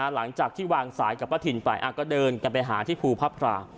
หลังจากที่วางสายกับป้าถิ่นไปก็เดินกันไปหาที่ภูพระพรา